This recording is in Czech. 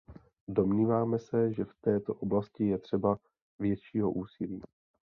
Domníváme se, že v této oblasti je třeba většího úsilí.